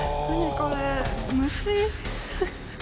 これ虫。